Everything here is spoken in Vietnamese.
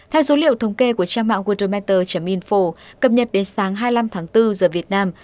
theo dữ liệu thống kê của trang mạng worldometer info cập nhật đến sáng hai mươi năm tháng bốn giờ việt nam